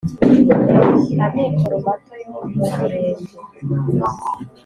Amikoro Mato yo mu Murenge